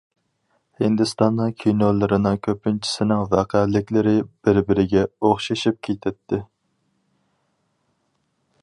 ھىندىستاننىڭ كىنولىرىنىڭ كۆپىنچىسىنىڭ ۋەقەلىكلىرى بىر-بىرىگە ئوخشىشىپ كېتەتتى.